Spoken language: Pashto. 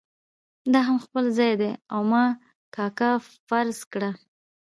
دا هم خپل ځای دی او ما کاکا فرض کړه.